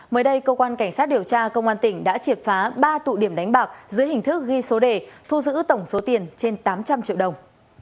mới đây cơ quan cảnh sát điều tra công an tỉnh đã triệt phá ba tụ điểm đánh bạc dưới hình thức ghi số đề thu giữ tổng số tiền trên tám trăm linh triệu đồng